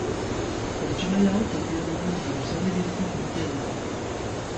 Pertsonaia hau zapia buruan eta baserri giroko jantziak ditu.